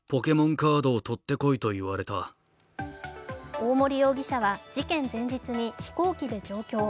大森容疑者は事件前日に飛行機で上京。